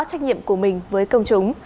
trách nhiệm của mình với công chúng